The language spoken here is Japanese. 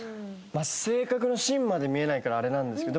性格の芯まで見えないからあれなんですけど。